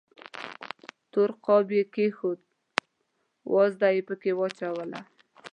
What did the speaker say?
تور قاب یې کېښود، وازده یې پکې واچوله.